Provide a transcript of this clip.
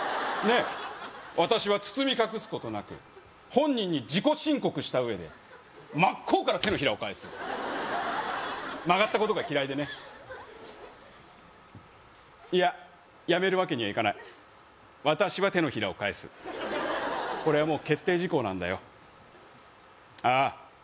ねえ私は包み隠すことなく本人に自己申告した上で真っ向から手のひらを返す曲がったことが嫌いでねいややめるわけにはいかない私は手のひらを返すこれはもう決定事項なんだよああ